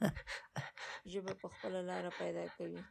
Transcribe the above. ژبه به خپله لاره پیدا کوي.